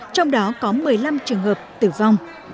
trong đó có một mươi năm trường hợp tử vong